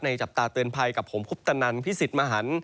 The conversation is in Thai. จับตาเตือนภัยกับผมคุปตนันพิสิทธิ์มหัน